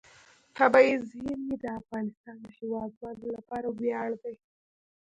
طبیعي زیرمې د افغانستان د هیوادوالو لپاره ویاړ دی.